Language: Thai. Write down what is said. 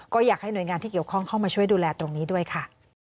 ก็อยากให้หน่วยงานที่เกี่ยวข้องเข้ามาช่วยดูแลตรงนี้ด้วยค่ะ